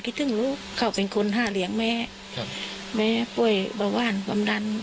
คิดถึงลูกเขาเป็นคนหาเลี้ยงแม่ครับแม่แม่ป่วยเบาหวานความดัน